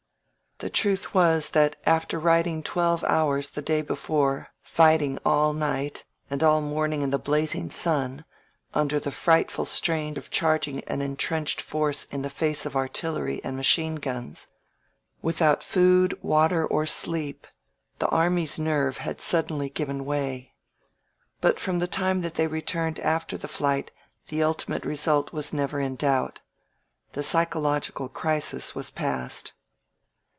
•.•" The truth was that after riding twelve hours the day before, fighting all ni^t, and all morning in the Mazing sun, under the fri^tfol strain of charging an intrenched force in the face of artillery and machine guns, without food, water or sleep, the army's nerve had suddenly given way. But from the time that they returned after the fli^t the ultimate result was never in doubt. The psychological crisis was past.